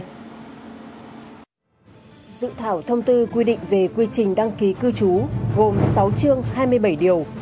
dự thảo thông tư quy định về quy trình đăng ký cư trú gồm sáu chương hai mươi bảy điều